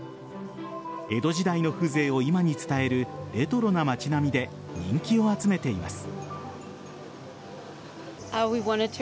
江戸時代の風情を今に伝えるレトロな街並みで人気を集めています。